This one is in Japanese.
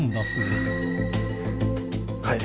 はい